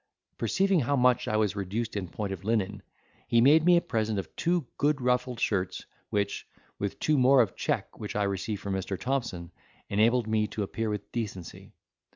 Perceiving how much I was reduced in point of linen, he made me a present of two good ruffled shirts, which, with two more of check which I received from Mr. Thompson, enabled me to appear with decency.